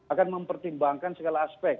akan mempertimbangkan segala aspek